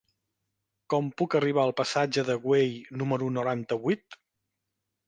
Com puc arribar al passatge de Güell número noranta-vuit?